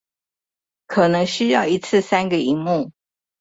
可能需要一次三個螢幕